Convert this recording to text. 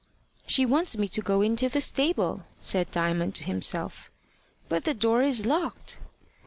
"She wants me to go into the stable," said Diamond to himself, "but the door is locked."